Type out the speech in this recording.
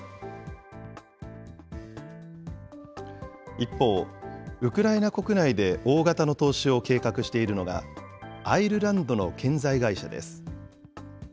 一方、ウクライナ国内で大型の投資を計画しているのが、アイルランドの建材会社です。